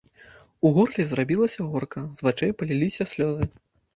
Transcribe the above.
У горле зрабілася горка, з вачэй паліліся слёзы.